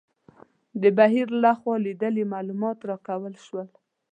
د بهیر لخوا لیدلي معلومات راکول شول.